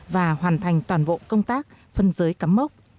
và hoàn thành toàn bộ công tác phân giới cắm mốc